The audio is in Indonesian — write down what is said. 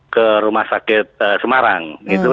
ke rumah sakit semarang